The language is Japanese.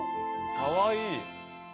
かわいい。